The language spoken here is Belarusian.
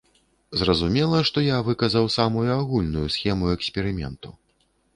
Зразумела, што я выказаў самую агульную схему эксперыменту.